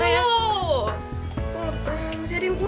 kek cok itu